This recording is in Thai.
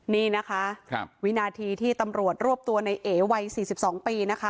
นี่นะคะวินาทีที่ตำรวจรวบตัวในเอวัย๔๒ปีนะคะ